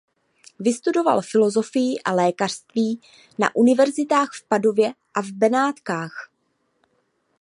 Vystudoval filozofii a lékařství na univerzitách v Padově a v Benátkách.